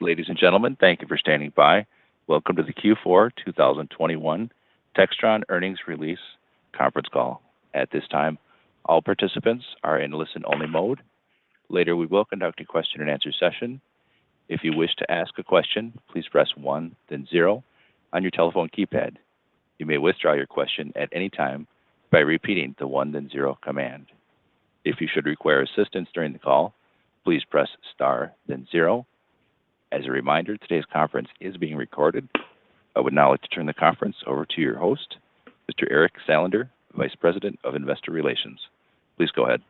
Ladies and gentlemen, thank you for standing by. Welcome to the Q4 2021 Textron Earnings Release Conference Call. At this time, all participants are in listen-only mode. Later, we will conduct a question-and-answer session. If you wish to ask a question, please press one, then zero on your telephone keypad. You may withdraw your question at any time by repeating the one, then zero command. If you should require assistance during the call, please press star then zero. As a reminder, today's conference is being recorded. I would now like to turn the conference over to your host, Mr. Eric Salander, Vice President of Investor Relations. Please go ahead.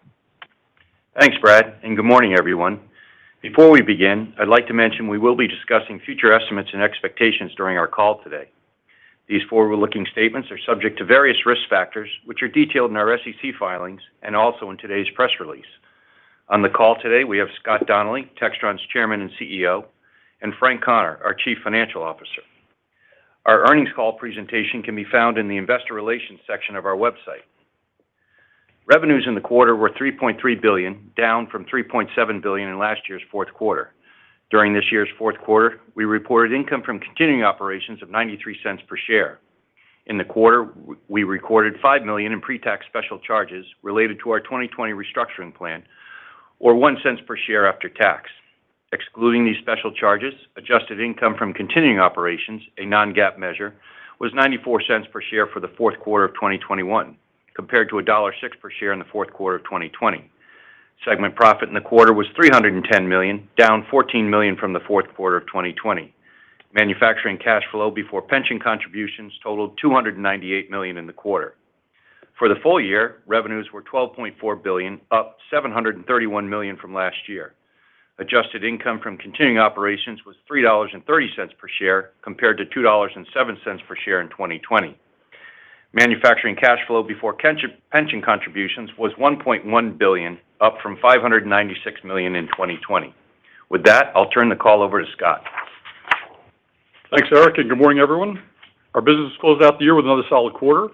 Thanks, Brad, and good morning, everyone. Before we begin, I'd like to mention we will be discussing future estimates and expectations during our call today. These forward-looking statements are subject to various risk factors, which are detailed in our SEC filings and also in today's press release. On the call today, we have Scott Donnelly, Textron's Chairman and CEO, and Frank Connor, our Chief Financial Officer. Our earnings call presentation can be found in the Investor Relations section of our website. Revenues in the quarter were 3.3 billion, down from 3.7 billion in last year's fourth quarter. During this year's fourth quarter, we reported income from continuing operations of 0.93 per share. In the quarter, we recorded 5 million in pre-tax special charges related to our 2020 restructuring plan, or 0.01 per share after tax. Excluding these special charges, adjusted income from continuing operations, a non-GAAP measure, was 0.94 per share for the fourth quarter of 2021, compared to $1.06 per share in the fourth quarter of 2020. Segment profit in the quarter was 310 million, down 14 million from the fourth quarter of 2020. Manufacturing cash flow before pension contributions totaled 298 million in the quarter. For the full year, revenues were 12.4 billion, up 731 million from last year. Adjusted income from continuing operations was $3.30 per share compared to $2.07 per share in 2020. Manufacturing cash flow before pension contributions was 1.1 billion, up from 596 million in 2020. With that, I'll turn the call over to Scott. Thanks, Eric, and good morning, everyone. Our business closed out the year with another solid quarter.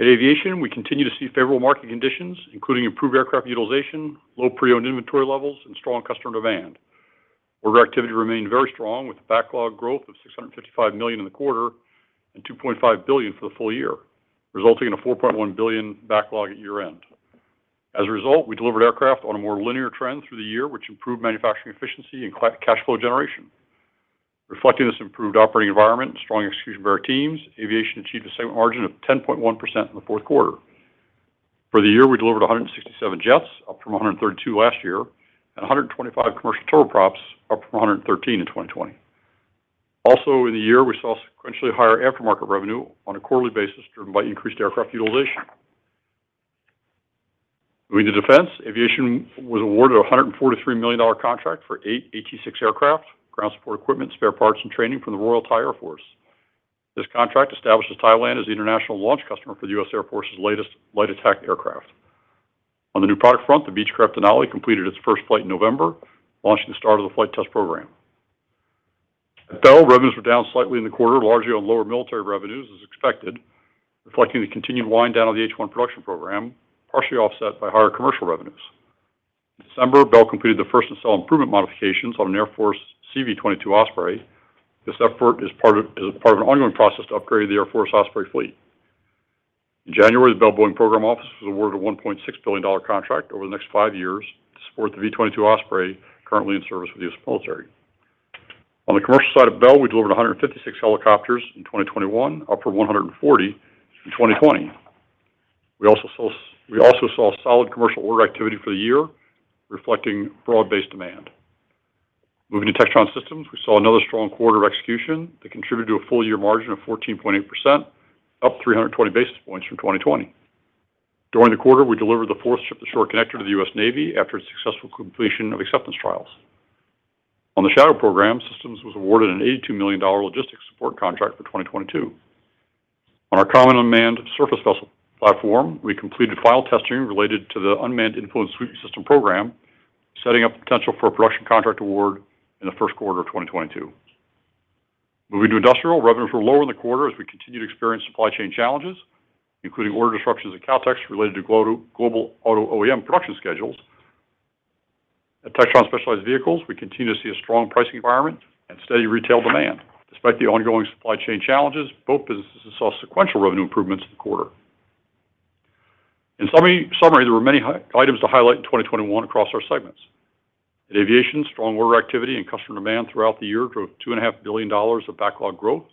At Aviation, we continue to see favorable market conditions, including improved aircraft utilization, low pre-owned inventory levels, and strong customer demand. Order activity remained very strong with backlog growth of 655 million in the quarter and 2.5 billion for the full year, resulting in a 4.1 billion backlog at year-end. As a result, we delivered aircraft on a more linear trend through the year, which improved manufacturing efficiency and cash flow generation. Reflecting this improved operating environment and strong execution of our teams, Aviation achieved a segment margin of 10.1% in the fourth quarter. For the year, we delivered 167 jets, up from 132 last year, and 125 commercial turboprops up from 113 in 2020. Also in the year, we saw sequentially higher aftermarket revenue on a quarterly basis driven by increased aircraft utilization. Moving to Defense, Aviation was awarded a $143 million contract for eight AT-6 aircraft, ground support equipment, spare parts, and training from the Royal Thai Air Force. This contract establishes Thailand as the international launch customer for the U.S. Air Force's latest light attack aircraft. On the new product front, the Beechcraft Denali completed its first flight in November, launching the start of the flight test program. At Bell, revenues were down slightly in the quarter, largely on lower military revenues as expected, reflecting the continued wind down of the H-1 production program, partially offset by higher commercial revenues. In December, Bell completed the first nacelle improvement modifications on an Air Force CV-22 Osprey. This effort is part of an ongoing process to upgrade the Air Force Osprey fleet. In January, the Bell Boeing program office was awarded a 1.6 billion contract over the next five years to support the V-22 Osprey currently in service with the U.S. military. On the commercial side of Bell, we delivered 156 helicopters in 2021, up from 140 in 2020. We also saw solid commercial order activity for the year, reflecting broad-based demand. Moving to Textron Systems, we saw another strong quarter of execution that contributed to a full year margin of 14.8%, up 320 basis points from 2020. During the quarter, we delivered the fourth Ship-to-Shore Connector to the U.S. Navy after its successful completion of acceptance trials. On the Shadow program, Systems was awarded an 82 million logistics support contract for 2022. On our Common Unmanned Surface Vehicle platform, we completed final testing related to the Unmanned Influence Sweep System program, setting up potential for a production contract award in the first quarter of 2022. Moving to Industrial, revenues were lower in the quarter as we continue to experience supply chain challenges, including order disruptions at Kautex related to global auto OEM production schedules. At Textron Specialized Vehicles, we continue to see a strong pricing environment and steady retail demand. Despite the ongoing supply chain challenges, both businesses saw sequential revenue improvements in the quarter. In summary, there were many highlights to highlight in 2021 across our segments. At Aviation, strong order activity and customer demand throughout the year drove $2.5 billion of backlog growth.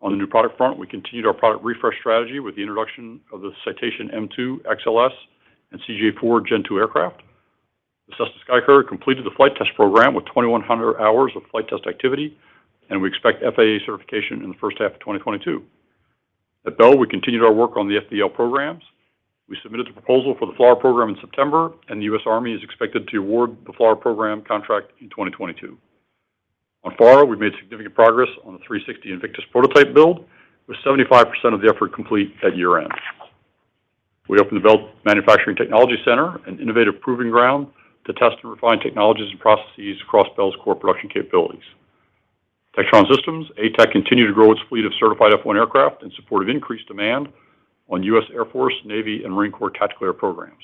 On the new product front, we continued our product refresh strategy with the introduction of the Citation M2 Gen2, XLS Gen2, and CJ4 Gen2 aircraft. The Cessna SkyCourier completed the flight test program with 2,100 hours of flight test activity, and we expect FAA certification in the first half of 2022. At Bell, we continued our work on the FVL programs. We submitted the proposal for the FLRAA program in September, and the U.S. Army is expected to award the FLRAA program contract in 2022. On FARA, we've made significant progress on the 360 Invictus prototype build, with 75% of the effort complete at year-end. We opened the Bell Manufacturing Technology Center, an innovative proving ground to test and refine technologies and processes across Bell's core production capabilities. Textron Systems, ATAC continued to grow its fleet of certified F-1 aircraft in support of increased demand on U.S. Air Force, U.S. Navy, and U.S. Marine Corps tactical air programs.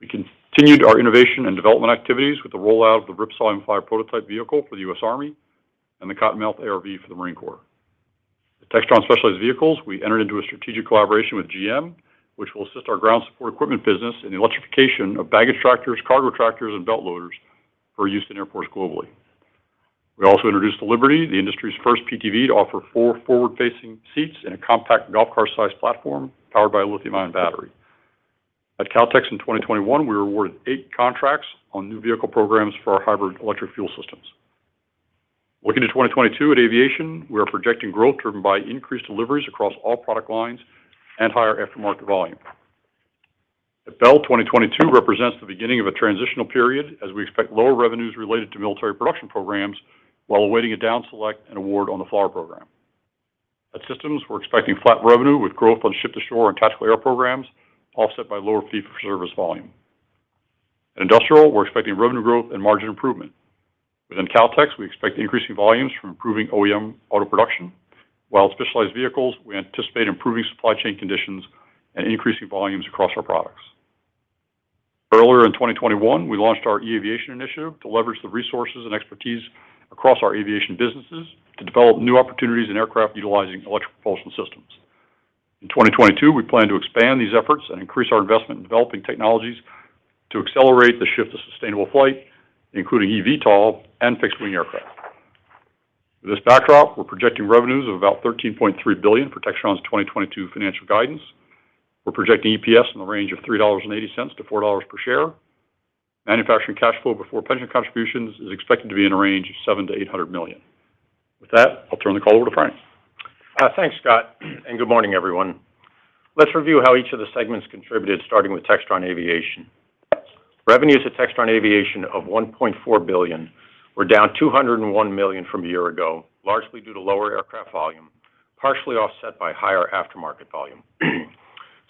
We continued our innovation and development activities with the rollout of the Ripsaw M5 prototype vehicle for the U.S. Army and the Cottonmouth ARV for the U.S. Marine Corps. At Textron Specialized Vehicles, we entered into a strategic collaboration with GM, which will assist our ground support equipment business in the electrification of baggage tractors, cargo tractors, and belt loaders for use in airports globally. We also introduced the Liberty, the industry's first PTV to offer four forward-facing seats in a compact golf car-sized platform powered by a lithium-ion battery. At Kautex in 2021, we were awarded eight contracts on new vehicle programs for our hybrid electric fuel systems. Looking to 2022 at Aviation, we are projecting growth driven by increased deliveries across all product lines and higher aftermarket volume. At Bell, 2022 represents the beginning of a transitional period as we expect lower revenues related to military production programs while awaiting a down select and award on the FLRAA program. At Systems, we're expecting flat revenue with growth on Ship-to-Shore and tactical air programs offset by lower fee-for-service volume. At Industrial, we're expecting revenue growth and margin improvement. Within Kautex, we expect increasing volumes from improving OEM auto production. While at Specialized Vehicles, we anticipate improving supply chain conditions and increasing volumes across our products. Earlier in 2021, we launched our eAviation initiative to leverage the resources and expertise across our aviation businesses to develop new opportunities in aircraft utilizing electric propulsion systems. In 2022, we plan to expand these efforts and increase our investment in developing technologies to accelerate the shift to sustainable flight, including eVTOL and fixed-wing aircraft. With this backdrop, we're projecting revenues of about 13.3 billion for Textron's 2022 financial guidance. We're projecting EPS in the range of $3.80-$4.00 per share. Manufacturing cash flow before pension contributions is expected to be in a range of 700 million-800 million. With that, I'll turn the call over to Frank. Thanks, Scott, and good morning, everyone. Let's review how each of the segments contributed, starting with Textron Aviation. Revenues at Textron Aviation of 1.4 billion were down 201 million from a year ago, largely due to lower aircraft volume, partially offset by higher aftermarket volume.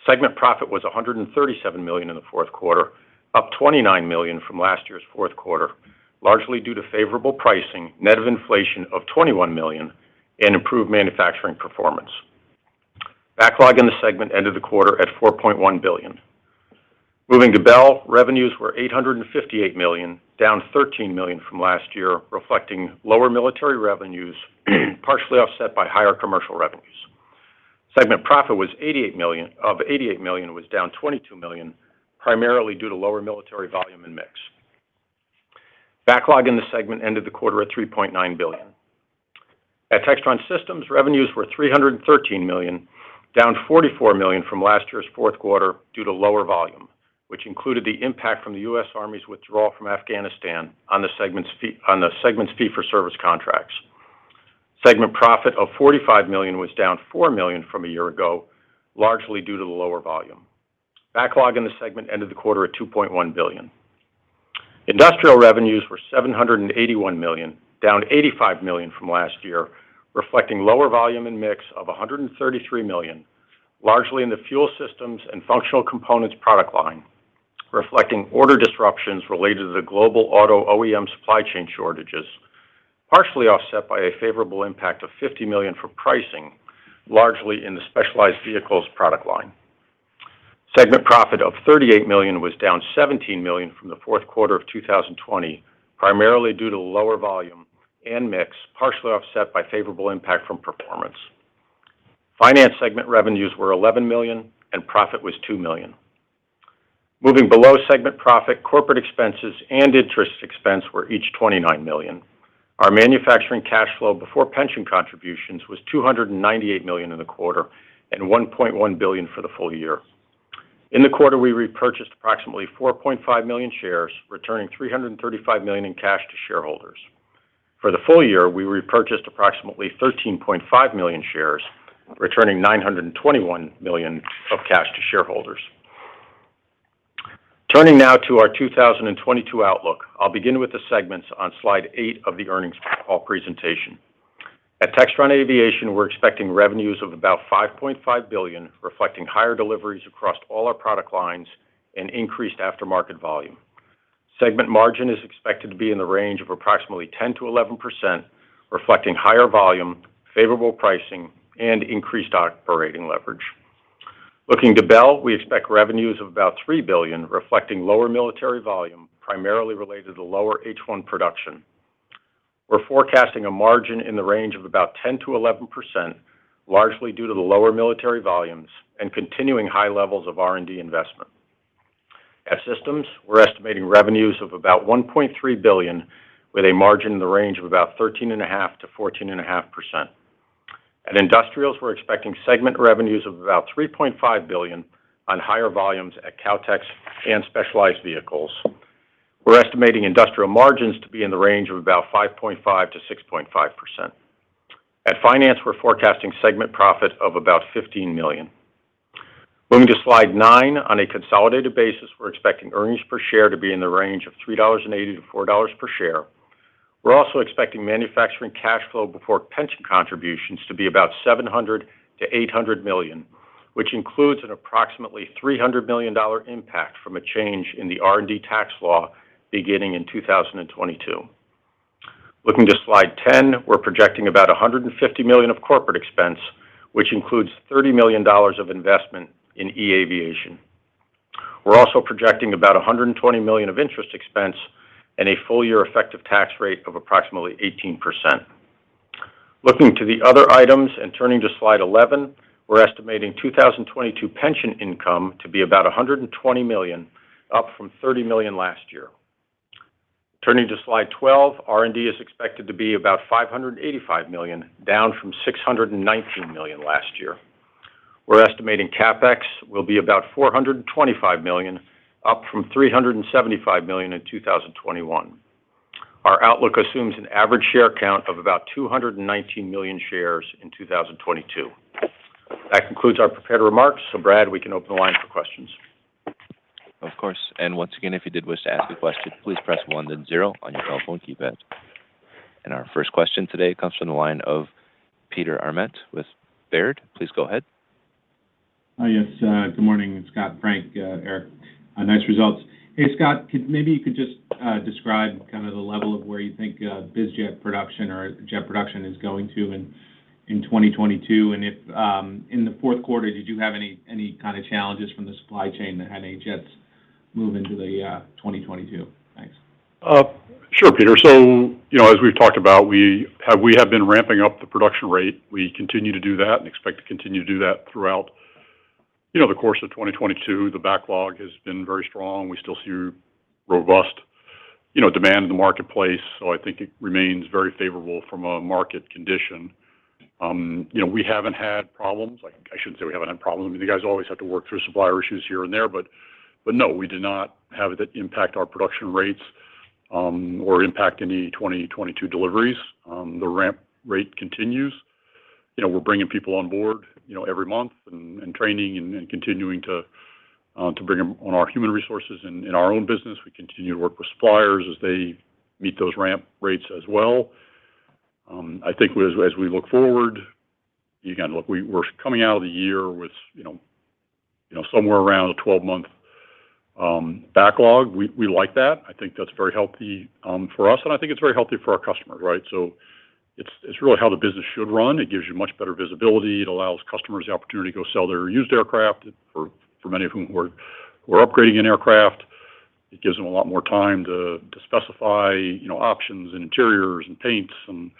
Segment profit was 137 million in the fourth quarter, up 29 million from last year's fourth quarter, largely due to favorable pricing, net of inflation of 21 million and improved manufacturing performance. Backlog in the segment ended the quarter at 4.1 billion. Moving to Bell, revenues were 858 million, down 13 million from last year, reflecting lower military revenues, partially offset by higher commercial revenues. Segment profit of 88 million was down 22 million, primarily due to lower military volume and mix. Backlog in the segment ended the quarter at 3.9 billion. At Textron Systems, revenues were 313 million, down 44 million from last year's fourth quarter due to lower volume, which included the impact from the U.S. Army's withdrawal from Afghanistan on the segment's fee for service contracts. Segment profit of 45 million was down 4 million from a year ago, largely due to the lower volume. Backlog in the segment ended the quarter at 2.1 billion. Industrial revenues were 781 million, down 85 million from last year, reflecting lower volume and mix of 133 million, largely in the fuel systems and functional components product line, reflecting order disruptions related to the global auto OEM supply chain shortages, partially offset by a favorable impact of 50 million for pricing, largely in the specialized vehicles product line. Segment profit of 38 million was down 17 million from the fourth quarter of 2020, primarily due to lower volume and mix, partially offset by favorable impact from performance. Finance segment revenues were 11 million and profit was 2 million. Moving below segment profit, corporate expenses and interest expense were each 29 million. Our manufacturing cash flow before pension contributions was 298 million in the quarter and 1.1 billion for the full year. In the quarter, we repurchased approximately 4.5 million shares, returning 335 million in cash to shareholders. For the full year, we repurchased approximately 13.5 million shares, returning 921 million of cash to shareholders. Turning now to our 2022 outlook, I'll begin with the segments on slide eight of the earnings call presentation. At Textron Aviation, we're expecting revenues of about 5.5 billion, reflecting higher deliveries across all our product lines and increased aftermarket volume. Segment margin is expected to be in the range of approximately 10%-11%, reflecting higher volume, favorable pricing, and increased operating leverage. Looking to Bell, we expect revenues of about 3 billion, reflecting lower military volume, primarily related to lower H-1 production. We're forecasting a margin in the range of about 10%-11%, largely due to the lower military volumes and continuing high levels of R&D investment. At Systems, we're estimating revenues of about 1.3 billion with a margin in the range of about 13.5%-14.5%. At Industrials, we're expecting segment revenues of about 3.5 billion on higher volumes at Kautex and Specialized Vehicles. We're estimating industrial margins to be in the range of about 5.5%-6.5%. At Finance, we're forecasting segment profit of about 15 million. Moving to slide nine, on a consolidated basis, we're expecting earnings per share to be in the range of $3.80-$4.00 per share. We're also expecting manufacturing cash flow before pension contributions to be about 700 million-800 million, which includes an approximately 300 billion impact from a change in the R&D tax law beginning in 2022. Looking to slide ten, we're projecting about $150 million of corporate expense, which includes $30 million of investment in eAviation. We're also projecting about 120 million of interest expense and a full year effective tax rate of approximately 18%. Looking to the other items, and turning to slide eleven, we're estimating 2022 pension income to be about 120 million, up from 30 million last year. Turning to slide twelve, R&D is expected to be about 585 million, down from 619 million last year. We're estimating CapEx will be about 425 million, up from 375 million in 2021. Our outlook assumes an average share count of about 219 million shares in 2022. That concludes our prepared remarks. Brad, we can open the line for questions. Of course. Once again, if you did wish to ask a question, please press one then zero on your telephone keypad. Our first question today comes from the line of Peter Arment with Robert W. Baird.. Please go ahead. Hi, yes. Good morning Scott, Frank, Eric. Nice results. Hey, Scott, maybe you could just describe kind of the level of where you think biz jet production or jet production is going to in 2022. If in the fourth quarter, did you have any kind of challenges from the supply chain that had any jets move into the 2022? Thanks. Sure, Peter. You know, as we've talked about, we have been ramping up the production rate. We continue to do that and expect to continue to do that throughout the course of 2022. The backlog has been very strong. We still see robust, you know, demand in the marketplace. I think it remains very favorable from a market condition. You know, we haven't had problems. Like, I shouldn't say we haven't had problems. You guys always have to work through supplier issues here and there, but no, we did not have it impact our production rates or impact any 2022 deliveries. The ramp rate continues. You know, we're bringing people on board every month and training and continuing to bring them on our human resources in our own business. We continue to work with suppliers as they meet those ramp rates as well. I think as we look forward, again, look, we're coming out of the year with you know somewhere around a 12-month backlog. We like that. I think that's very healthy for us, and I think it's very healthy for our customers, right? It's really how the business should run. It gives you much better visibility. It allows customers the opportunity to go sell their used aircraft for many of whom who are upgrading an aircraft. It gives them a lot more time to specify you know options and interiors and paints and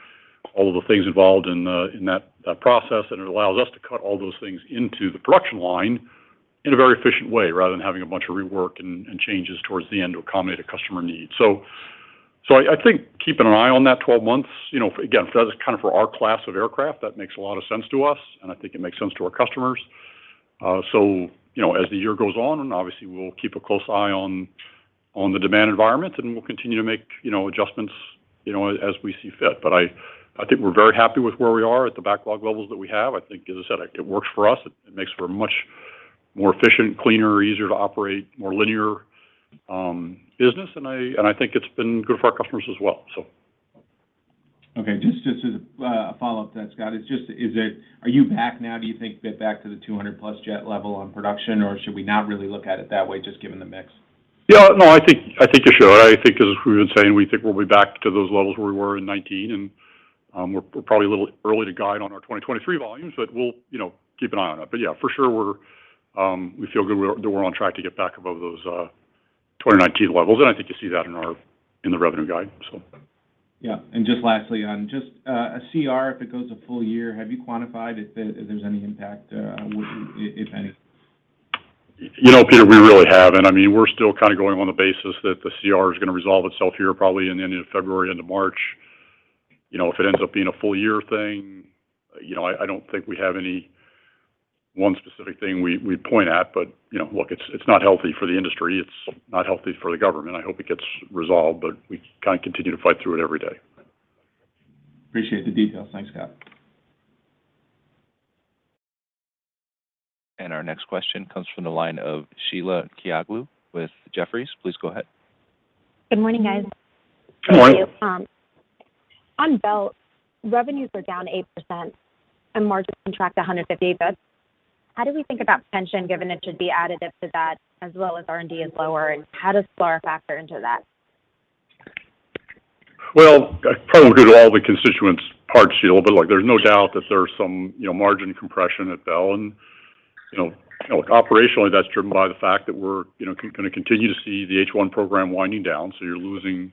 all of the things involved in that process. It allows us to cut all those things into the production line in a very efficient way, rather than having a bunch of rework and changes toward the end to accommodate a customer need. I think keeping an eye on that 12 months, you know, again, that is kind of for our class of aircraft, that makes a lot of sense to us, and I think it makes sense to our customers. You know, as the year goes on, and obviously we'll keep a close eye on the demand environment, and we'll continue to make, you know, adjustments, you know, as we see fit. I think we're very happy with where we are at the backlog levels that we have. I think, as I said, it works for us. It makes for a much more efficient, cleaner, easier to operate, more linear, business. I think it's been good for our customers as well, so. Okay. Just as a follow-up to that, Scott. Are you back now, do you think, a bit back to the 200-plus jet level on production, or should we not really look at it that way just given the mix? Yeah, no, I think you should. I think as we've been saying, we think we'll be back to those levels where we were in 2019. We're probably a little early to guide on our 2023 volumes, but we'll, you know, keep an eye on it. Yeah, for sure we're, we feel good that we're on track to get back above those 2019 levels, and I think you see that in the revenue guide, so. Yeah. Just lastly on just a CR, if it goes a full year, have you quantified if there's any impact, if any? You know, Peter, we really haven't. I mean, we're still kind of going on the basis that the CR is gonna resolve itself here probably in the end of February into March. You know, if it ends up being a full year thing, you know, I don't think we have any one specific thing we'd point at, but, you know, look, it's not healthy for the industry. It's not healthy for the government. I hope it gets resolved, but we kind of continue to fight through it every day. Appreciate the details. Thanks, Scott. Our next question comes from the line of Sheila Kahyaoglu with Jefferies. Please go ahead. Good morning, guys. Good morning. Thank you. On Bell, revenues are down 8% and margins contracted 150 basis points. How do we think about pension given it should be additive to that as well as R&D is lower, and how does FLRAA factor into that? Well, I probably won't get to all the constituent parts, Sheila, but look, there's no doubt that there's some, you know, margin compression at Bell. You know, operationally, that's driven by the fact that we're, you know, gonna continue to see the H-1 program winding down, so you're losing,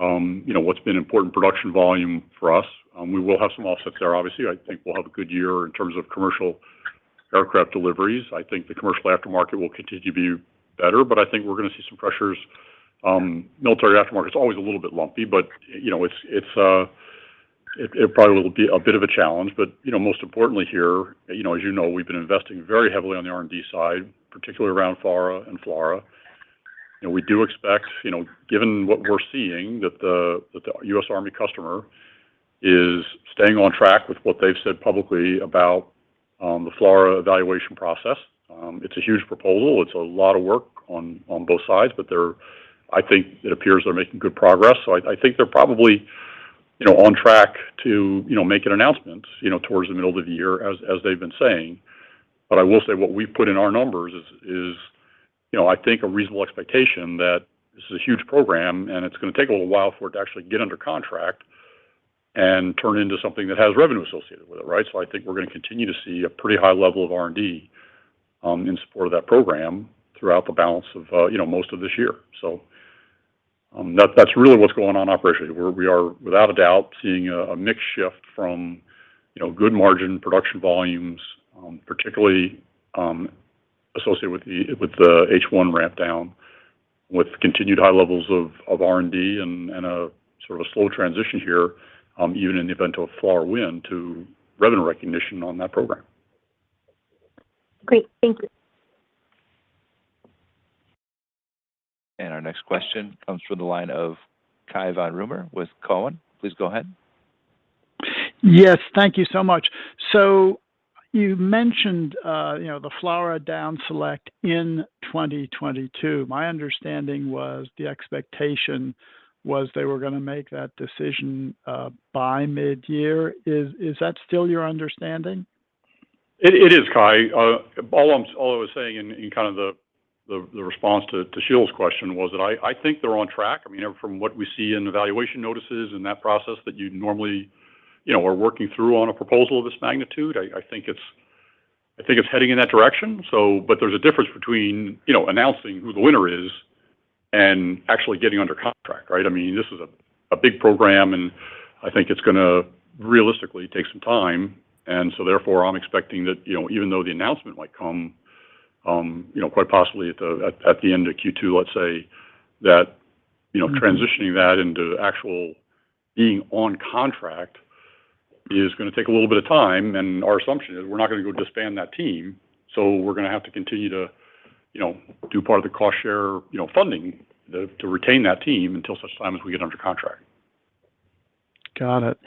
you know, what's been important production volume for us. We will have some offsets there, obviously. I think we'll have a good year in terms of commercial aircraft deliveries. I think the commercial aftermarket will continue to be better, but I think we're gonna see some pressures. Military aftermarket is always a little bit lumpy, but, you know, it probably will be a bit of a challenge. You know, most importantly here, you know, as you know, we've been investing very heavily on the R&D side, particularly around FARA and FLRAA. You know, we do expect, you know, given what we're seeing, that the U.S. Army customer is staying on track with what they've said publicly about the FLRAA evaluation process. It's a huge proposal. It's a lot of work on both sides, but I think it appears they're making good progress. I think they're probably, you know, on track to, you know, making announcements, you know, towards the middle of the year as they've been saying. I will say what we put in our numbers is. You know, I think a reasonable expectation that this is a huge program, and it's gonna take a little while for it to actually get under contract and turn into something that has revenue associated with it, right? I think we're gonna continue to see a pretty high level of R&D in support of that program throughout the balance of you know, most of this year. That's really what's going on operationally, where we are without a doubt seeing a mix shift from you know, good margin production volumes particularly associated with the H-1 ramp down with continued high levels of R&D and a sort of a slow transition here even in the event of a FARA win to revenue recognition on that program. Great. Thank you. Our next question comes from the line of Cai von Rumohr with Cowen. Please go ahead. Yes, thank you so much. You mentioned the FLRAA down select in 2022. My understanding was the expectation was they were going to make that decision by midyear. Is that still your understanding? It is, Cai. All I was saying in kind of the response to Sheila's question was that I think they're on track. I mean, you know, from what we see in evaluation notices and that process that you'd normally, you know, are working through on a proposal of this magnitude, I think it's heading in that direction. But there's a difference between, you know, announcing who the winner is and actually getting under contract, right? I mean, this is a big program, and I think it's gonna realistically take some time. Therefore, I'm expecting that, you know, even though the announcement might come, you know, quite possibly at the end of Q2, let's say that, you know, transitioning that into actual being on contract is gonna take a little bit of time. Our assumption is we're not gonna go disband that team. We're gonna have to continue to, you know, do part of the cost share, you know, funding to retain that team until such time as we get under contract. Got it.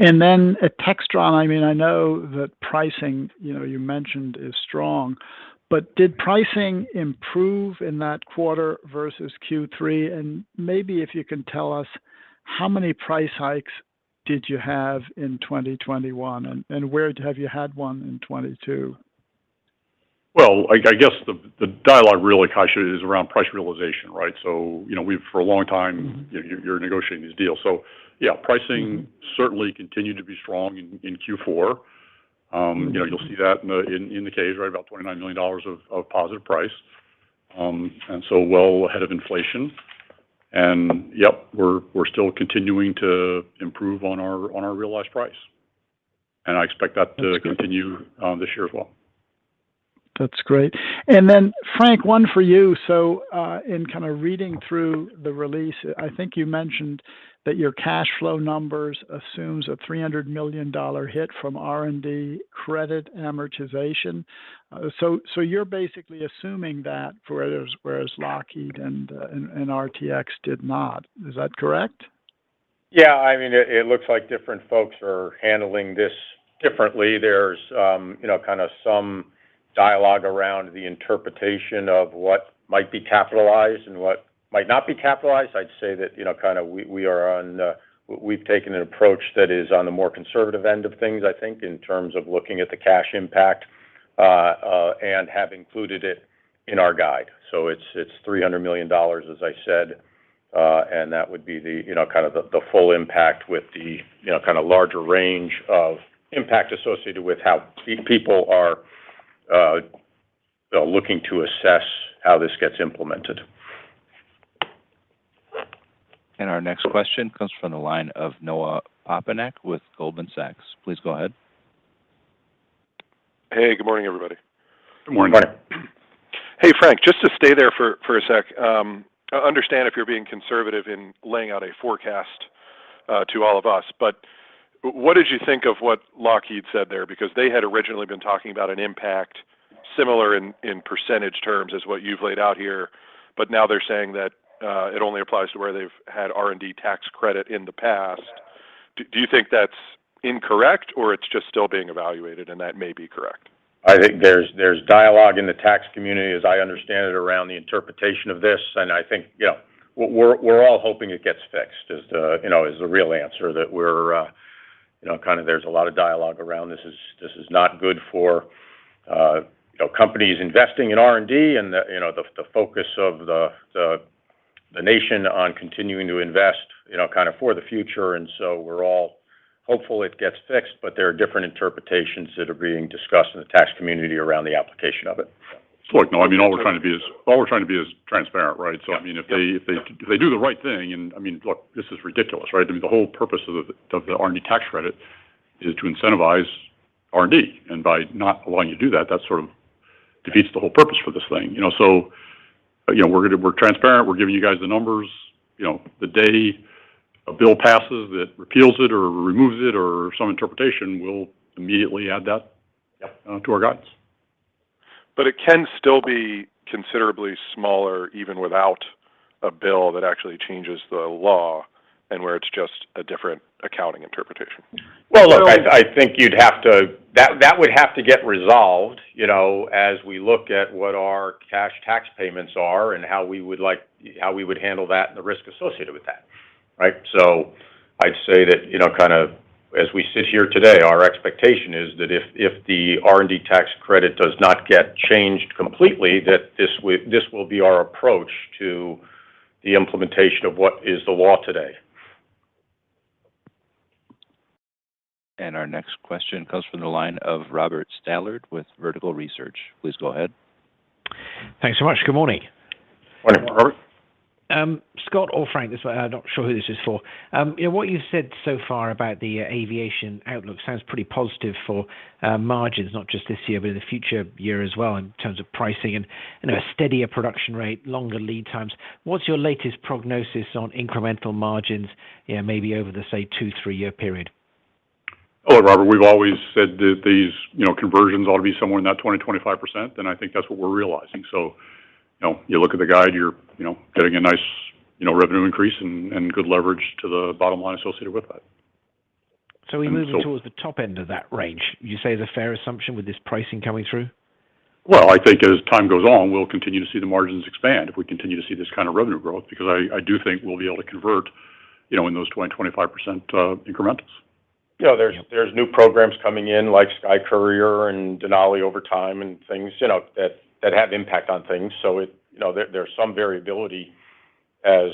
At Textron, I mean, I know that pricing, you know, you mentioned is strong, but did pricing improve in that quarter versus Q3? Maybe if you can tell us how many price hikes did you have in 2021, and where have you had one in 2022? Well, I guess the dialogue really, Kai, is around price realization, right? You know, we've for a long time- Mm-hmm You're negotiating these deals. Yeah, pricing certainly continued to be strong in Q4. You know, you'll see that in the case, right? About $29 million of positive price, and well ahead of inflation. Yep, we're still continuing to improve on our realized price. I expect that to continue this year as well. That's great. Then Frank, one for you. In kind of reading through the release, I think you mentioned that your cash flow numbers assumes a $300 million hit from R&D credit amortization. You're basically assuming that whereas Lockheed and RTX did not. Is that correct? Yeah. I mean, it looks like different folks are handling this differently. There's, you know, kind of some dialogue around the interpretation of what might be capitalized and what might not be capitalized. I'd say that, you know, kind of we've taken an approach that is on the more conservative end of things, I think, in terms of looking at the cash impact, and have included it in our guide. So it's $300 million, as I said. And that would be the, you know, kind of the full impact with the, you know, kind of larger range of impact associated with how people are looking to assess how this gets implemented. Our next question comes from the line of Seth Seifman with J.P. Morgan. Please go ahead. Hey, good morning, everybody. Good morning. Morning. Hey, Frank. Just to stay there for a sec. I understand if you're being conservative in laying out a forecast to all of us, but what did you think of what Lockheed said there? Because they had originally been talking about an impact similar in percentage terms as what you've laid out here, but now they're saying that it only applies to where they've had R&D tax credit in the past. Do you think that's incorrect or it's just still being evaluated and that may be correct? I think there's dialogue in the tax community, as I understand it, around the interpretation of this. I think, you know, we're all hoping it gets fixed is the real answer that we're, you know, kind of there's a lot of dialogue around this is, this is not good for, you know, companies investing in R&D and the, you know, the focus of the nation on continuing to invest, you know, kind of for the future. We're all hopeful it gets fixed, but there are different interpretations that are being discussed in the tax community around the application of it. Look, Seth, I mean, all we're trying to be is transparent, right? Yeah. I mean, if they do the right thing. I mean, look, this is ridiculous, right? I mean, the whole purpose of the R&D tax credit is to incentivize R&D. By not allowing you to do that sort of defeats the whole purpose for this thing. You know, we're transparent. We're giving you guys the numbers. You know, the day a bill passes that repeals it or removes it or some interpretation, we'll immediately add that. Yeah to our guidance. It can still be considerably smaller even without a bill that actually changes the law and where it's just a different accounting interpretation. Well, look, I think that would have to get resolved, you know, as we look at what our cash tax payments are and how we would handle that and the risk associated with that. Right? I'd say that, you know, kind of as we sit here today, our expectation is that if the R&D tax credit does not get changed completely, that this will be our approach to the implementation of what is the law today. Our next question comes from the line of Robert Stallard with Vertical Research Partners. Please go ahead. Thanks so much. Good morning. Morning, Robert. Scott or Frank, I'm not sure who this is for. You know, what you've said so far about the aviation outlook sounds pretty positive for margins, not just this year, but in the future year as well in terms of pricing and, you know, a steadier production rate, longer lead times. What's your latest prognosis on incremental margins, you know, maybe over the, say, two-three-year period? Hello, Robert. We've always said that these, you know, conversions ought to be somewhere in that 20%-25%, and I think that's what we're realizing. You know, you look at the guide, you're, you know, getting a nice, you know, revenue increase and good leverage to the bottom line associated with that. We're moving towards the top end of that range, you say is a fair assumption with this pricing coming through? Well, I think as time goes on, we'll continue to see the margins expand if we continue to see this kind of revenue growth because I do think we'll be able to convert, you know, in those 20%-25% incrementals. You know, there's new programs coming in like SkyCourier and Denali over time and things, you know, that have impact on things. You know, there's some variability as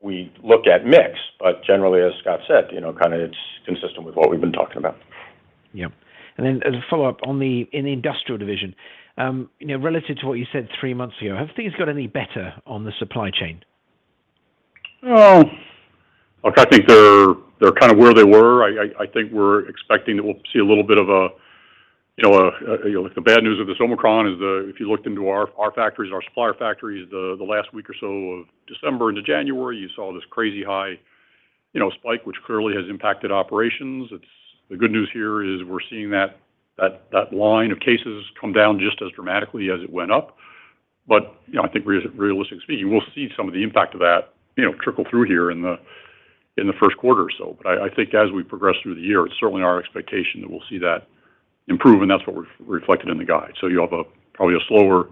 we look at mix. Generally, as Scott said, you know, kind of it's consistent with what we've been talking about. Yeah. As a follow-up in the industrial division, you know, relative to what you said three months ago, have things got any better on the supply chain? Well, look, I think they're kind of where they were. I think we're expecting that we'll see a little bit of a, you know, like the bad news of this Omicron is the, if you looked into our factories, our supplier factories, the last week or so of December into January, you saw this crazy high, you know, spike which clearly has impacted operations. The good news here is we're seeing that line of cases come down just as dramatically as it went up. You know, I think realistically speaking, we'll see some of the impact of that, you know, trickle through here in the first quarter or so. I think as we progress through the year, it's certainly our expectation that we'll see that improve, and that's what we've reflected in the guide. You have probably a slower,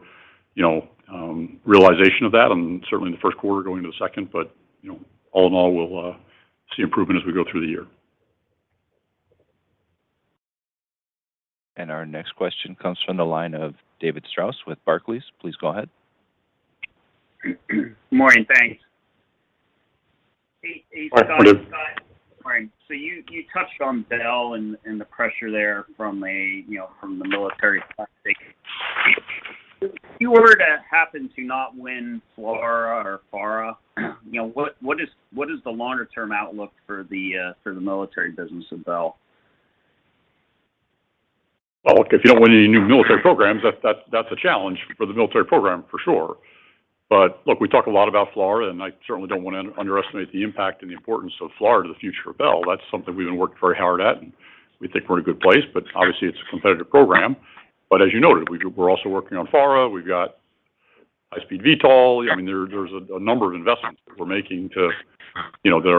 you know, realization of that and certainly in the first quarter going to the second. You know, all in all, we'll see improvement as we go through the year. Our next question comes from the line of David Strauss with Barclays. Please go ahead. Morning. Thanks. Morning, David. You touched on Bell and the pressure there, you know, from the military perspective. If you were to happen to not win FLRAA or FARA, you know, what is the longer term outlook for the military business of Bell? Well, look, if you don't win any new military programs, that's a challenge for the military program for sure. Look, we talk a lot about FLRAA, and I certainly don't wanna underestimate the impact and the importance of FLRAA to the future of Bell. That's something we've been working very hard at, and we think we're in a good place, but obviously it's a competitive program. As you noted, we're also working on FARA. We've got high speed VTOL. I mean, there's a number of investments that we're making,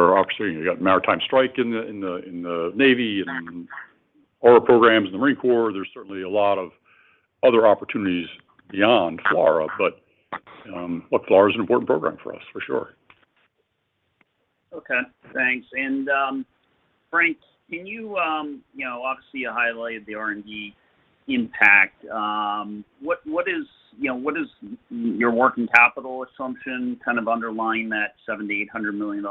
obviously we've got maritime strike in the Navy and AURA programs in the Marine Corps. There's certainly a lot of other opportunities beyond FLRAA. Look, FLRAA is an important program for us, for sure. Okay. Thanks. Frank, can you... You know, obviously you highlighted the R&D impact. What is your working capital assumption kind of underlying that $700 million-$800 million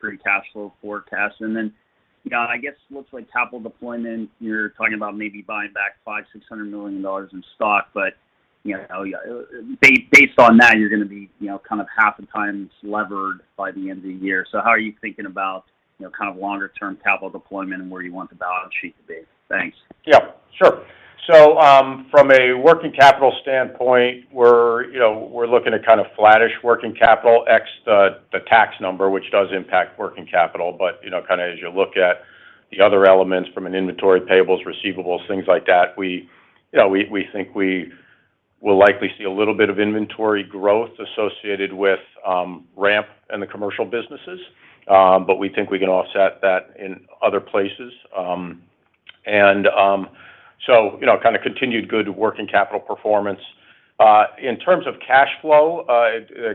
free cash flow forecast? Then, you know, I guess it looks like capital deployment, you're talking about maybe buying back $500 million-$600 million in stock. Based on that, you're gonna be, you know, kind of half as levered by the end of the year. How are you thinking about, you know, kind of longer term capital deployment and where you want the balance sheet to be? Thanks. Yeah, sure. From a working capital standpoint, we're you know looking at kind of flattish working capital ex the tax number, which does impact working capital. You know, kind of as you look at the other elements from an inventory, payables, receivables, things like that, we you know think we will likely see a little bit of inventory growth associated with ramp in the commercial businesses. We think we can offset that in other places. You know, kind of continued good working capital performance. In terms of cash flow,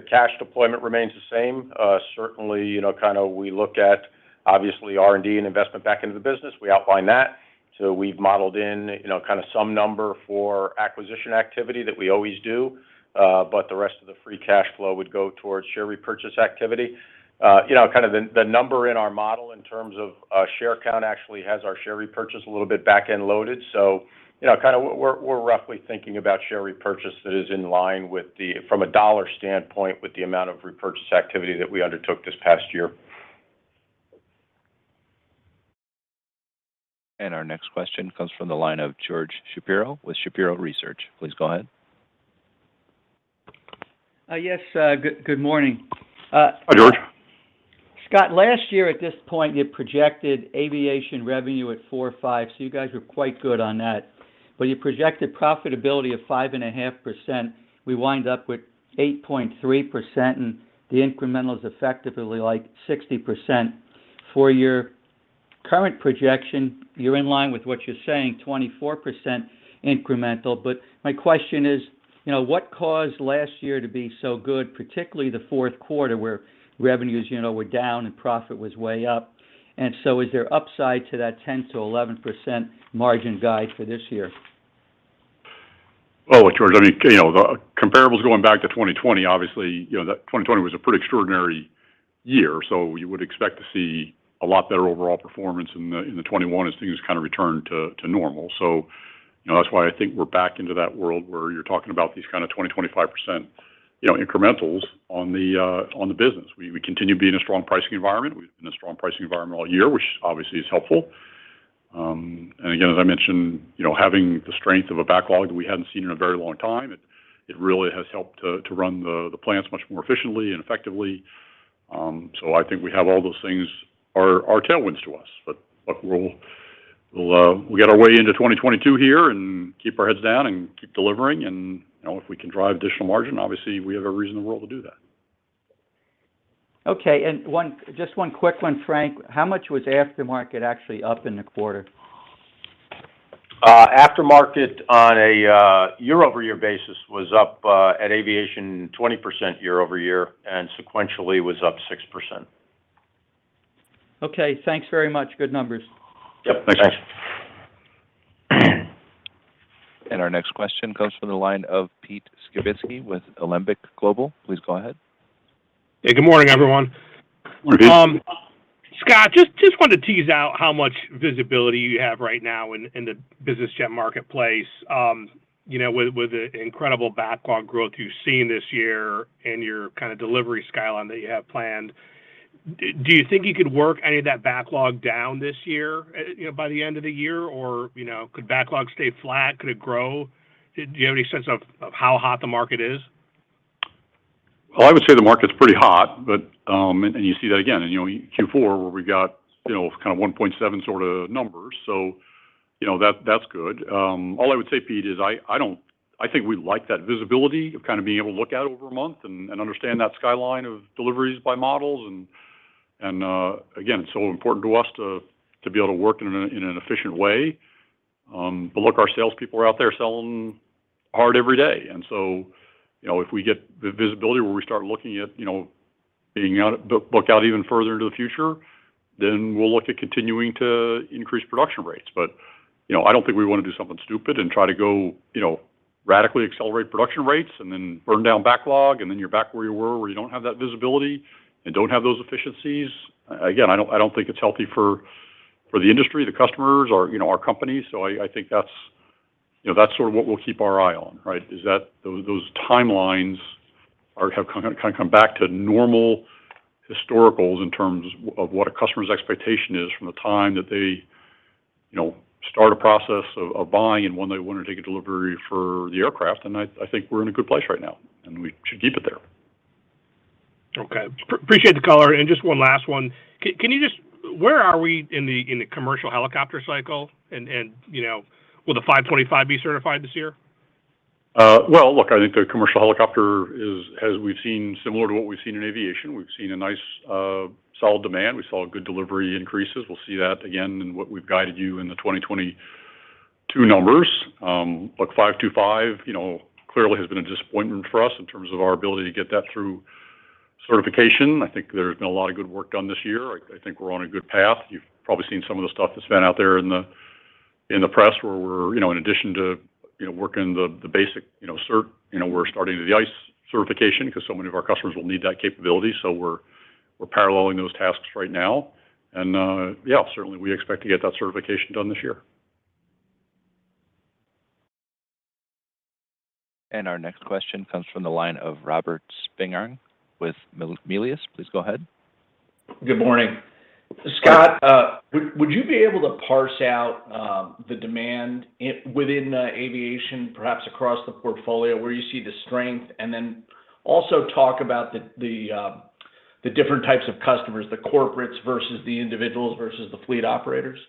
cash deployment remains the same. Certainly, you know, kind of we look at obviously R&D and investment back into the business, we outline that. We've modeled in you know kind of some number for acquisition activity that we always do. The rest of the free cash flow would go towards share repurchase activity. You know, kind of the number in our model in terms of share count actually has our share repurchase a little bit back-end loaded. You know, kind of we're roughly thinking about share repurchase that is in line with from a dollar standpoint, with the amount of repurchase activity that we undertook this past year. Our next question comes from the line of George Shapiro with Shapiro Research. Please go ahead. Hi, George. Scott, last year at this point, you projected aviation revenue at 4 or 5, so you guys were quite good on that. You projected profitability of 5.5%. We wind up with 8.3%, and the incremental is effectively like 60% for your current projection, you're in line with what you're saying, 24% incremental. My question is, you know, what caused last year to be so good, particularly the fourth quarter, where revenues, you know, were down and profit was way up? Is there upside to that 10%-11% margin guide for this year? Oh, George, I mean, you know, the comparables going back to 2020, obviously, you know, that 2020 was a pretty extraordinary year. You would expect to see a lot better overall performance in the 2021 as things kind of return to normal. You know, that's why I think we're back into that world where you're talking about these kind of 20-25%, you know, incrementals on the business. We continue to be in a strong pricing environment. We've been in a strong pricing environment all year, which obviously is helpful. Again, as I mentioned, you know, having the strength of a backlog that we hadn't seen in a very long time, it really has helped to run the plants much more efficiently and effectively. I think all those things are tailwinds to us. We got our way into 2022 here and keep our heads down and keep delivering. You know, if we can drive additional margin, obviously, we have a reason in the world to do that. Okay. Just one quick one, Frank. How much was aftermarket actually up in the quarter? Aftermarket on a year-over-year basis was up at Aviation 20% year-over-year, and sequentially was up 6%. Okay, thanks very much. Good numbers. Yep. Thanks. Our next question comes from the line of Peter Skibitski with Alembic Global Advisors. Please go ahead. Hey, good morning, everyone. Good morning. Scott, just wanted to tease out how much visibility you have right now in the business jet marketplace. You know, with the incredible backlog growth you've seen this year and your kind of delivery skyline that you have planned, do you think you could work any of that backlog down this year, you know, by the end of the year? Or, you know, could backlog stay flat? Could it grow? Do you have any sense of how hot the market is? Well, I would say the market's pretty hot, but you see that again in, you know, Q4, where we got, you know, kind of 1.7 sort of numbers. You know, that's good. All I would say, Pete, is I think we like that visibility of kind of being able to look out over a month and understand that skyline of deliveries by models. Again, it's so important to us to be able to work in an efficient way. Look, our sales people are out there selling hard every day. You know, if we get the visibility where we start looking at, you know, book out even further into the future, then we'll look at continuing to increase production rates. you know, I don't think we want to do something stupid and try to go, you know, radically accelerate production rates and then burn down backlog, and then you're back where you were, where you don't have that visibility and don't have those efficiencies. Again, I don't think it's healthy for the industry, the customers or, you know, our company. I think that's, you know, that's sort of what we'll keep our eye on, right? Is that those timelines have kind of come back to normal historicals in terms of what a customer's expectation is from the time that they, you know, start a process of buying and when they want to take a delivery for the aircraft. I think we're in a good place right now, and we should keep it there. Okay. Appreciate the color. Just one last one. Where are we in the commercial helicopter cycle? You know, will the Bell 525 be certified this year? Well, look, I think the commercial helicopter is, as we've seen, similar to what we've seen in aviation. We've seen a nice, solid demand. We saw good delivery increases. We'll see that again in what we've guided you in the 2022 numbers. Look, Bell 525, you know, clearly has been a disappointment for us in terms of our ability to get that through certification. I think there's been a lot of good work done this year. I think we're on a good path. You've probably seen some of the stuff that's been out there in the press where we're, you know, in addition to, you know, working the basic, you know, cert, you know, we're starting the IFR certification because so many of our customers will need that capability. We're paralleling those tasks right now. Yeah, certainly we expect to get that certification done this year. Our next question comes from the line of Robert Spingarn with Melius. Please go ahead. Good morning. Scott, would you be able to parse out the demand within aviation, perhaps across the portfolio, where you see the strength, and then also talk about the different types of customers, the corporates versus the individuals versus the fleet operators?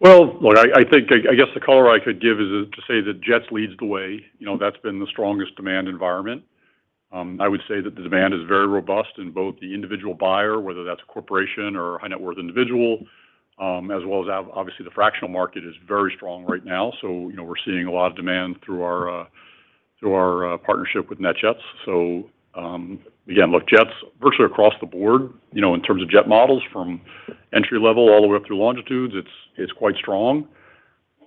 Well, look, I think, I guess, the color I could give is to say that jets leads the way. You know, that's been the strongest demand environment. I would say that the demand is very robust in both the individual buyer, whether that's a corporation or high net worth individual, as well as obviously, the fractional market is very strong right now. You know, we're seeing a lot of demand through our partnership with NetJets. Again, look, jets virtually across the board, you know, in terms of jet models from entry level all the way up through Longitude, it's quite strong.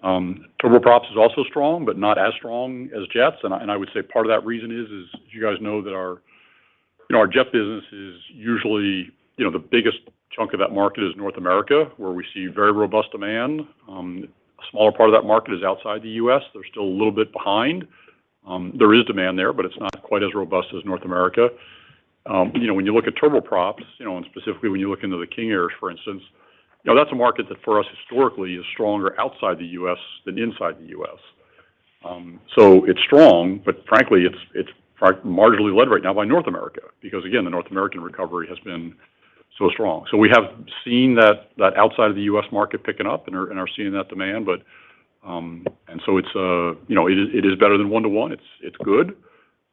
Turboprops is also strong, but not as strong as jets. I would say part of that reason is you guys know that our jet business is usually the biggest chunk of that market is North America, where we see very robust demand. A smaller part of that market is outside the U.S. They're still a little bit behind. There is demand there, but it's not quite as robust as North America. You know, when you look at turboprops, you know, and specifically when you look into the King Air, for instance, you know, that's a market that for us historically is stronger outside the U.S. than inside the U.S. It's strong, but frankly, it's marginally led right now by North America because again, the North American recovery has been so strong. We have seen that outside of the U.S. market picking up and are seeing that demand. You know, it is better than 1-to-1. It's good.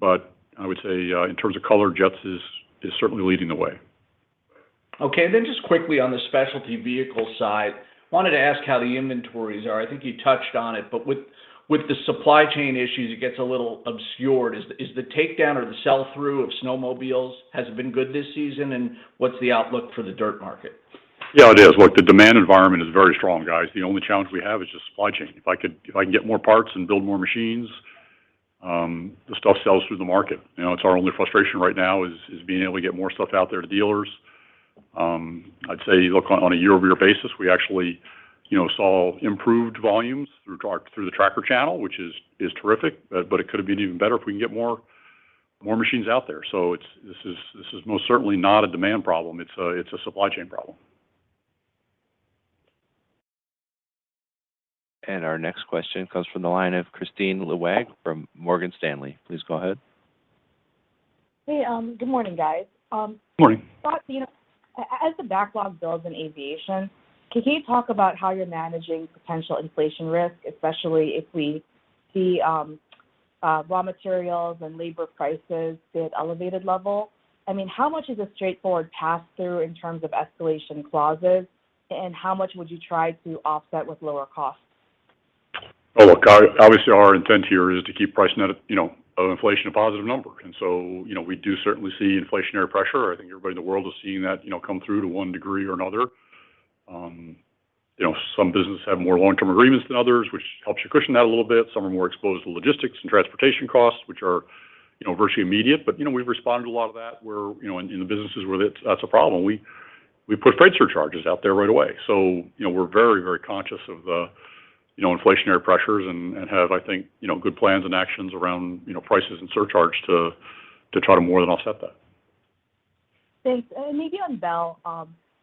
I would say, in terms of color, jets is certainly leading the way. Okay. Just quickly on the specialty vehicle side, wanted to ask how the inventories are. I think you touched on it, but with the supply chain issues, it gets a little obscured. Is the takedown or the sell-through of snowmobiles good this season? What's the outlook for the dirt market? Yeah, it is. Look, the demand environment is very strong, guys. The only challenge we have is just supply chain. If I can get more parts and build more machines, the stuff sells through the market. You know, it's our only frustration right now is being able to get more stuff out there to dealers. I'd say, look, on a year-over-year basis, we actually, you know, saw improved volumes through the tracker channel, which is terrific. It could have been even better if we can get more machines out there. This is most certainly not a demand problem. It's a supply chain problem. Our next question comes from the line of Kristine Liwag from Morgan Stanley. Please go ahead. Hey. Good morning, guys. Good morning. Scott, you know, as the backlog builds in aviation, can you talk about how you're managing potential inflation risk, especially if we see raw materials and labor prices at elevated level? I mean, how much is a straightforward pass-through in terms of escalation clauses, and how much would you try to offset with lower costs? Oh, look, obviously, our intent here is to keep pricing at a, you know, of inflation a positive number. You know, we do certainly see inflationary pressure. I think everybody in the world is seeing that, you know, come through to one degree or another. You know, some businesses have more long-term agreements than others, which helps you cushion that a little bit. Some are more exposed to logistics and transportation costs, which are, you know, virtually immediate. You know, we've responded to a lot of that where, you know, in the businesses where that's a problem. We put freight surcharges out there right away. You know, we're very, very conscious of the, you know, inflationary pressures and have, I think, you know, good plans and actions around, you know, prices and surcharges to try to more than offset that. Thanks. Maybe on Bell,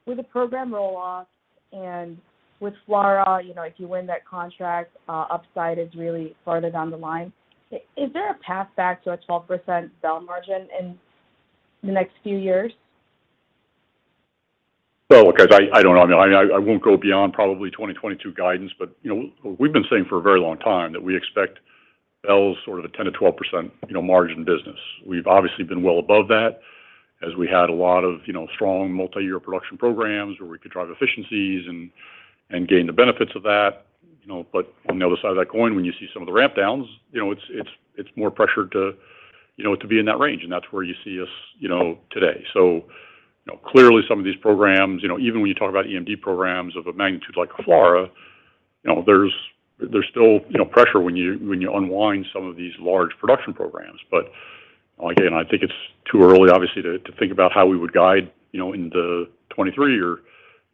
with the program roll-off and with FLRAA, you know, if you win that contract, upside is really farther down the line. Is there a path back to a 12% Bell margin in the next few years? Look, guys, I don't know. I mean, I won't go beyond probably 2022 guidance. You know, we've been saying for a very long time that we expect Bell's sort of a 10%-12%, you know, margin business. We've obviously been well above that as we had a lot of, you know, strong multi-year production programs where we could drive efficiencies and gain the benefits of that, you know. But on the other side of that coin, when you see some of the ramp downs, you know, it's more pressure to, you know, to be in that range, and that's where you see us, you know, today. You know, clearly some of these programs, you know, even when you talk about EMD programs of a magnitude like FLRAA, you know, there's still, you know, pressure when you unwind some of these large production programs. Again, I think it's too early, obviously, to think about how we would guide, you know, into 2023 or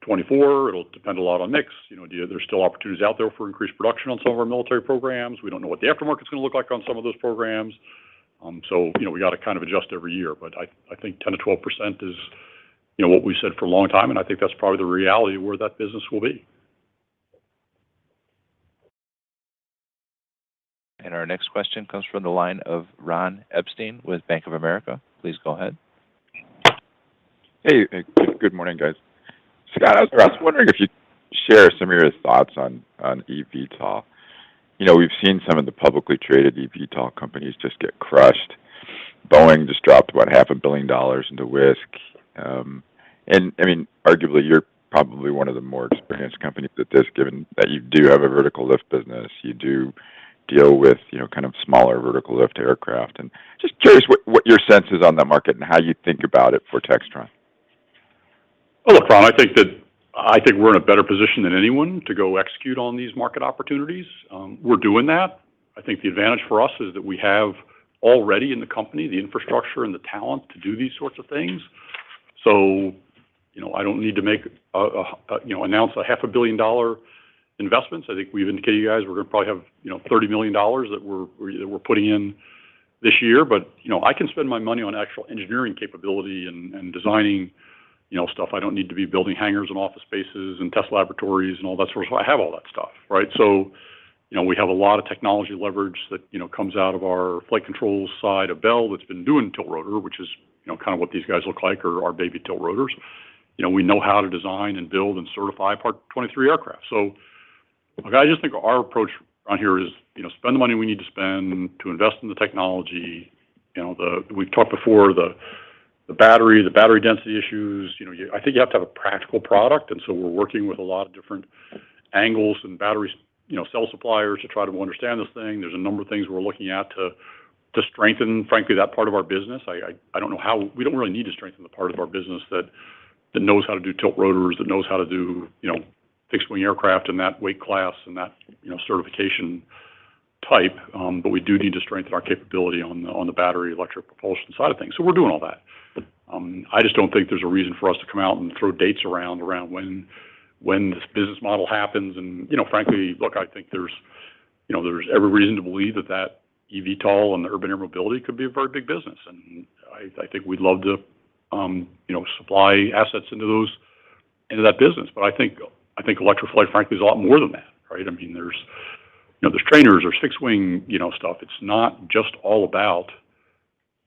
2024. It'll depend a lot on mix. You know, there's still opportunities out there for increased production on some of our military programs. We don't know what the aftermarket's gonna look like on some of those programs. You know, we got to kind of adjust every year. I think 10%-12% is, you know, what we said for a long time, and I think that's probably the reality of where that business will be. Our next question comes from the line of Ron Epstein with Bank of America. Please go ahead. Hey. Good morning, guys. Scott, I was wondering if you'd share some of your thoughts on eVTOL. You know, we've seen some of the publicly traded eVTOL companies just get crushed. Boeing just dropped about half a billion dollars into Wisk. I mean, arguably, you're probably one of the more experienced companies at this, given that you do have a vertical lift business. You do deal with, you know, kind of smaller vertical lift aircraft. Just curious what your sense is on that market and how you think about it for Textron. Well, look, Ron, I think we're in a better position than anyone to go execute on these market opportunities. We're doing that. I think the advantage for us is that we have already in the company the infrastructure and the talent to do these sorts of things. You know, I don't need to make a announce a half a billion dollar investments. I think we've indicated to you guys we're gonna probably have $30 million that we're putting in this year. You know, I can spend my money on actual engineering capability and designing stuff. I don't need to be building hangars and office spaces and test laboratories and all that sort of stuff. I have all that stuff, right? You know, we have a lot of technology leverage that, you know, comes out of our flight control side of Bell that's been doing tiltrotor, which is, you know, kind of what these guys look like or are baby tiltrotors. You know, we know how to design and build and certify Part 23 aircraft. Look, I just think our approach on here is, you know, spend the money we need to spend to invest in the technology. You know, we've talked before, the battery density issues. You know, I think you have to have a practical product, and so we're working with a lot of different angles and battery cell suppliers to try to understand this thing. There's a number of things we're looking at to strengthen, frankly, that part of our business. We don't really need to strengthen the part of our business that knows how to do tiltrotors that knows how to do you know fixed-wing aircraft in that weight class and that you know certification type. We do need to strengthen our capability on the battery electric propulsion side of things. We're doing all that. I just don't think there's a reason for us to come out and throw dates around when this business model happens. You know frankly look I think there's every reason to believe that eVTOL and the urban air mobility could be a very big business. I think we'd love to you know supply assets into that business. I think electric flight, frankly, is a lot more than that, right? I mean, there's, you know, there's trainers, there's fixed wing, you know, stuff. It's not just all about,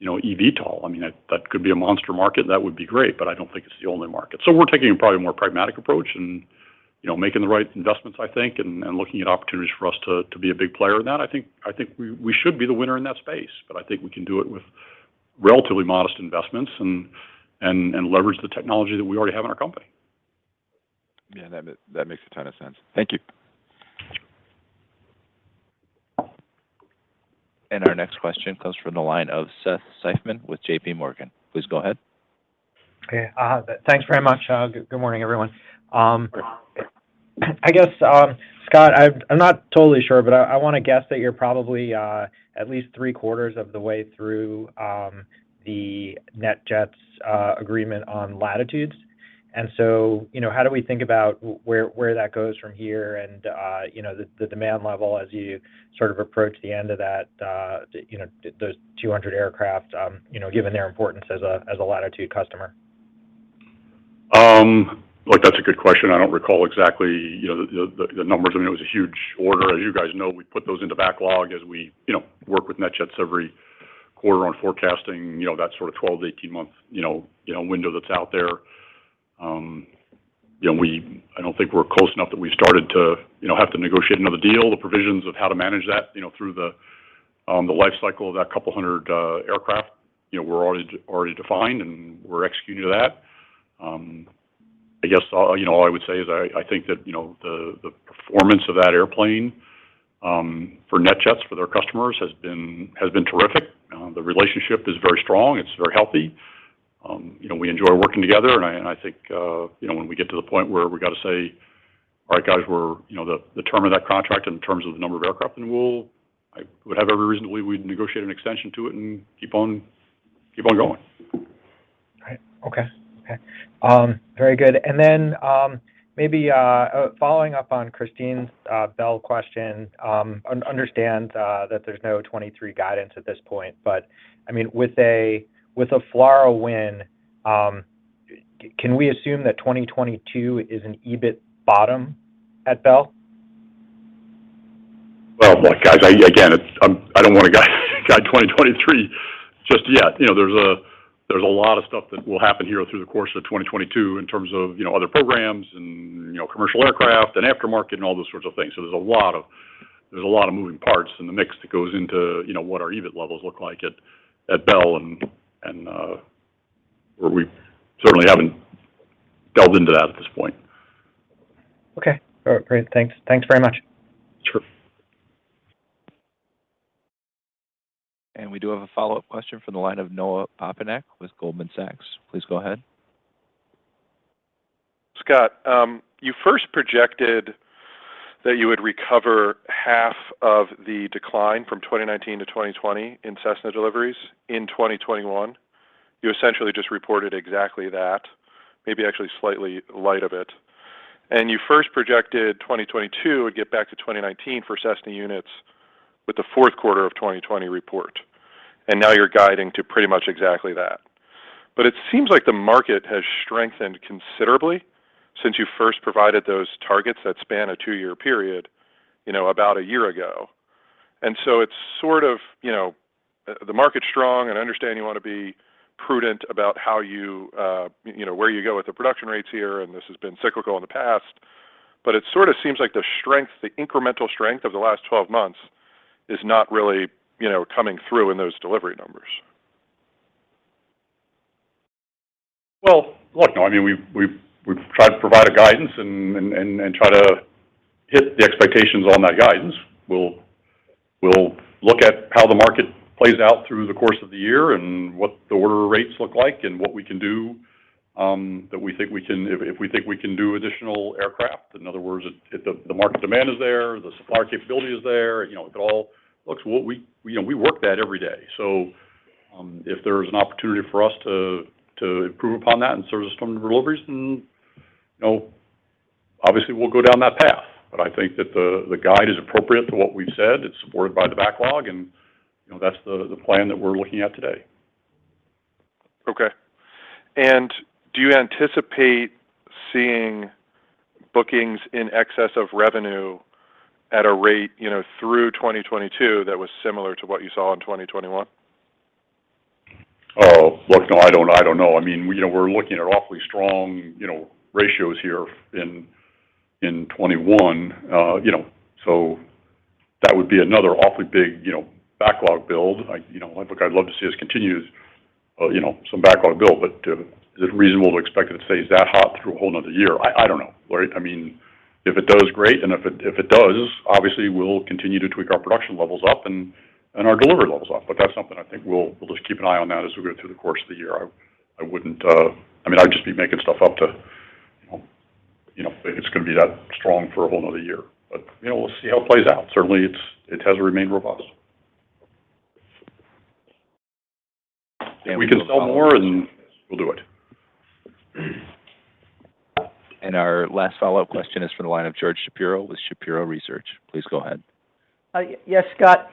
you know, eVTOL, I mean, that could be a monster market. That would be great, but I don't think it's the only market. We're taking probably a more pragmatic approach, and, you know, making the right investments, I think, and looking at opportunities for us to be a big player in that. I think we should be the winner in that space, but I think we can do it with relatively modest investments and leverage the technology that we already have in our company. Yeah. That makes a ton of sense. Thank you. Our next question comes from the line of Seth Seifman with J.P. Morgan. Please go ahead. Okay. Thanks very much. Good morning, everyone. I guess, Scott, I'm not totally sure, but I wanna guess that you're probably at least three-quarters of the way through the NetJets agreement on Latitude. You know, how do we think about where that goes from here and, you know, the demand level as you sort of approach the end of that, you know, those 200 aircraft, you know, given their importance as a Latitude customer? Look, that's a good question. I don't recall exactly, you know, the numbers. I mean, it was a huge order. As you guys know, we put those into backlog as we, you know, work with NetJets every quarter on forecasting, you know, that sort of 12- to 18-month window that's out there. I don't think we're close enough that we started to, you know, have to negotiate another deal. The provisions of how to manage that, you know, through the life cycle of that couple hundred aircraft, you know, were already defined, and we're executing to that. I guess, you know, all I would say is I think that, you know, the performance of that airplane for NetJets, for their customers has been terrific. The relationship is very strong. It's very healthy. You know, we enjoy working together, and I think, you know, when we get to the point where we gotta say, "All right, guys, you know, the term of that contract in terms of the number of aircraft," then I would have every reason to believe we'd negotiate an extension to it and keep on going. All right. Okay. Very good. Maybe following up on Kristine's Bell question, understand that there's no 2023 guidance at this point, but I mean, with a FLRAA win, can we assume that 2022 is an EBIT bottom at Bell? Well, look, guys, again, I don't wanna guide 2023 just yet. You know, there's a lot of stuff that will happen here through the course of 2022 in terms of, you know, other programs and, you know, commercial aircraft and aftermarket and all those sorts of things. There's a lot of moving parts in the mix that goes into, you know, what our EBIT levels look like at Bell, and we certainly haven't delved into that at this point. Okay. All right. Great. Thanks. Thanks very much. Sure. We do have a follow-up question from the line of Noah Poponak with Goldman Sachs. Please go ahead. Scott, you first projected that you would recover half of the decline from 2019 to 2020 in Cessna deliveries in 2021. You essentially just reported exactly that, maybe actually slightly light of it. You first projected 2022 would get back to 2019 for Cessna units with the fourth quarter of 2020 report, and now you're guiding to pretty much exactly that. It seems like the market has strengthened considerably since you first provided those targets that span a two-year period, you know, about a year ago. It's sort of, you know, the market's strong, and I understand you wanna be prudent about how you know, where you go with the production rates here, and this has been cyclical in the past. It sort of seems like the strength, the incremental strength of the last 12 months is not really, you know, coming through in those delivery numbers. Well, look, Noah, I mean, we've tried to provide a guidance and try to hit the expectations on that guidance. We'll look at how the market plays out through the course of the year and what the order rates look like and what we can do if we think we can do additional aircraft. In other words, if the market demand is there, the supply capability is there, you know. We work that every day. If there's an opportunity for us to improve upon that and service some of the deliveries, then you know, obviously we'll go down that path. I think that the guide is appropriate to what we've said. It's supported by the backlog, and you know, that's the plan that we're looking at today. Okay. Do you anticipate seeing bookings in excess of revenue at a rate, you know, through 2022 that was similar to what you saw in 2021? Oh, look, Noah, I don't know. I mean, you know, we're looking at awfully strong, you know, ratios here in 2021, so that would be another awfully big, you know, backlog build. You know, look, I'd love to see us continue, you know, some backlog build, but is it reasonable to expect it to stay that hot through a whole another year? I don't know, right? I mean, if it does, great, and if it does, obviously, we'll continue to tweak our production levels up and our delivery levels up. That's something I think we'll just keep an eye on that as we go through the course of the year. I wouldn't, I mean, I'd just be making stuff up to, you know, think it's gonna be that strong for a whole another year. You know, we'll see how it plays out. Certainly, it has remained robust. If we can sell more, then we'll do it. Our last follow-up question is from the line of George Shapiro with Shapiro Research. Please go ahead. Yes, Scott.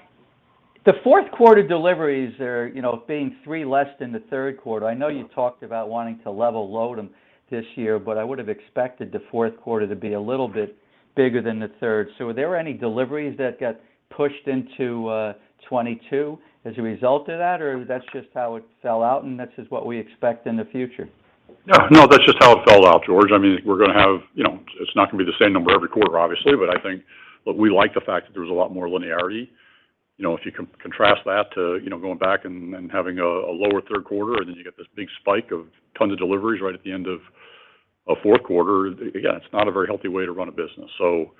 The fourth quarter deliveries are, you know, being 3 less than the third quarter. I know you talked about wanting to level load them this year, but I would have expected the fourth quarter to be a little bit bigger than the third. Were there any deliveries that got pushed into 2022 as a result of that, or that's just how it fell out and that's just what we expect in the future? No, that's just how it fell out, George. I mean, we're going to have. You know, it's not gonna be the same number every quarter, obviously. But I think, look, we like the fact that there's a lot more linearity. You know, if you contrast that to, you know, going back and having a lower third quarter, and then you get this big spike of tons of deliveries right at the end of a fourth quarter, again, it's not a very healthy way to run a business. So,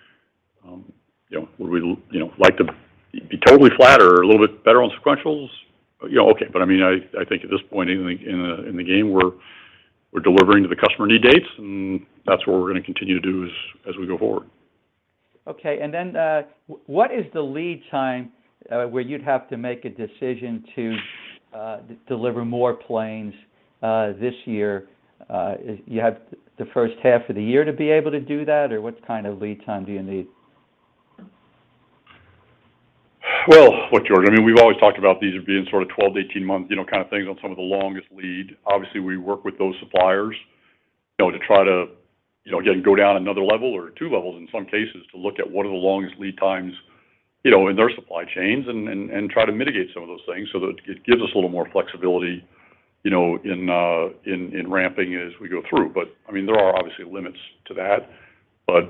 you know, would we like to be totally flat or a little bit better on sequentials? You know, okay. But I mean, I think at this point in the game, we're delivering to the customer need dates, and that's what we're gonna continue to do as we go forward. Okay. What is the lead time where you'd have to make a decision to deliver more planes this year? You have the first half of the year to be able to do that, or what kind of lead time do you need? Well, look, George, I mean, we've always talked about these as being sort of 12-18 months, you know, kind of things on some of the longest lead. Obviously, we work with those suppliers, you know, to try to, you know, again, go down another level or two levels in some cases to look at what are the longest lead times, you know, in their supply chains and try to mitigate some of those things so that it gives us a little more flexibility, you know, in ramping as we go through. I mean, there are obviously limits to that. You know,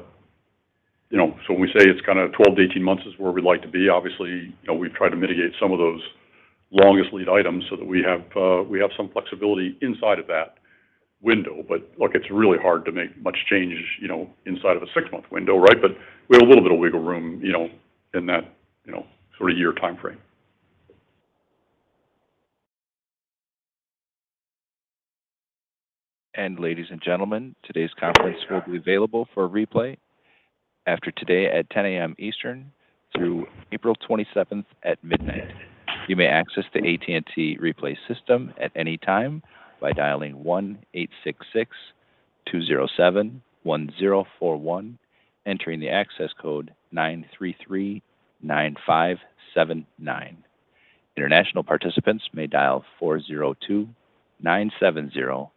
so when we say it's kinda 12-18 months is where we'd like to be, obviously, you know, we've tried to mitigate some of those longest lead items so that we have, we have some flexibility inside of that window. Look, it's really hard to make much changes, you know, inside of a six-month window, right? We have a little bit of wiggle room, you know, in that, you know, sort of year timeframe. Ladies and gentlemen, today's conference will be available for replay after today at 10 A.M. Eastern through April 27 at midnight. You may access the AT&T replay system at any time by dialing 1-866-207-1041, entering the access code 9339579. International participants may dial 402-970-0847,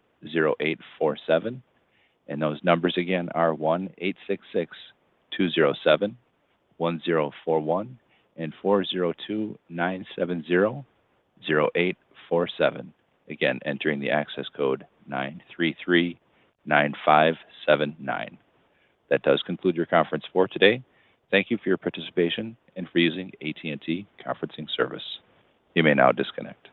and those numbers again are 1-866-207-1041 and 402-970-0847. Again, entering the access code 9339579. That does conclude your conference for today. Thank you for your participation and for using AT&T conferencing service. You may now disconnect.